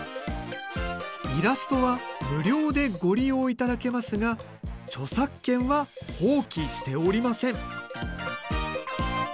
「イラストは無料でご利用いただけますが著作権は放棄しておりません」。